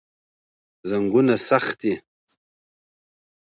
زنګونونه سخت دي.